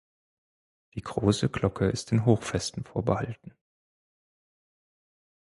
Die große Glocke ist den Hochfesten vorbehalten.